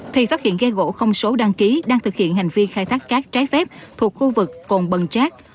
thì phát hiện ghe gỗ không số đăng ký đang thực hiện hành vi khai thác cát trái phép thuộc khu vực cồn bần trác